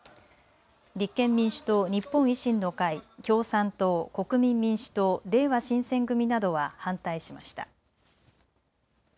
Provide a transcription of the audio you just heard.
立憲民主党、日本維新の会、共産党、国民民主党、れいわ新選組などは反対しました。